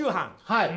はい。